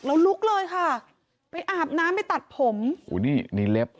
แล้วลุกเลยค่ะไปอาบน้ำไปตัดผมอู้นี่นี่เล็บ